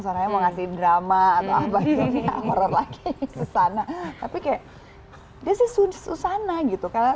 soalnya mau ngasih drama atau apa ini horror lagi susana tapi kayak dia sih susana gitu kalau